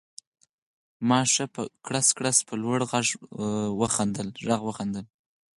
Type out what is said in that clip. ما ښه په کړس کړس په لوړ غږ وخندل